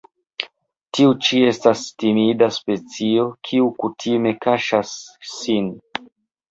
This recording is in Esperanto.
Tiu ĉi estas timida specio kiu kutime kaŝas sin.